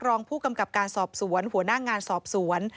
รองผู้กำกับการสอบสวนหัวหน้างานสอบสวน